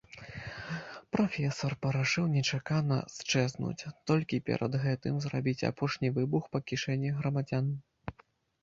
Прафесар парашыў нечакана счэзнуць, толькі перад гэтым зрабіць апошні выбух па кішэнях грамадзян.